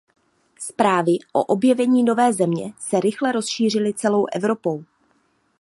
Zprávy o objevení nové země se rychle rozšířily celou Evropou.